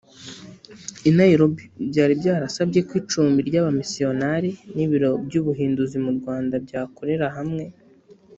i nairobi byari byarasabye ko icumbi ry abamisiyonari n ibiro by ubuhinduzi mu rwanda byakorera hamwe